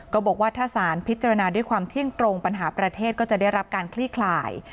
บอกว่าถ้าสารพิจารณาด้วยความเที่ยงตรงปัญหาประเทศก็จะได้รับการคลี่คลาย